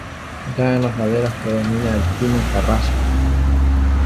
Ya en las laderas predomina el pino carrasco.